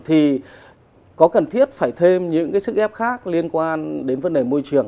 thì có cần thiết phải thêm những cái sức ép khác liên quan đến vấn đề môi trường